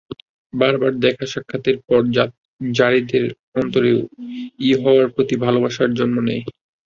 বারবার দেখা-সাক্ষাতের পর যারীদের অন্তরেও ইউহাওয়ার প্রতি ভালবাসা জন্ম নেয়।